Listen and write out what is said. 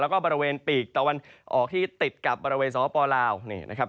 แล้วก็บริเวณปีกตะวันออกที่ติดกับบริเวณสวปลาวนี่นะครับ